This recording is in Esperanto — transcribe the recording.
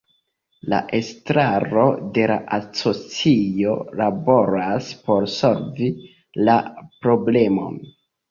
La estraro de la asocio laboras por solvi la problemon.